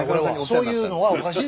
そういうのはおかしい。